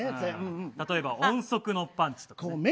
例えば、音速のパンチとかね。